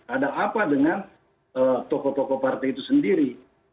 ada apa dengan tokoh tokoh partai itu sendiri